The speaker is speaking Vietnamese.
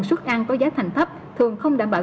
suất ăn có giá thành thấp thường không đảm bảo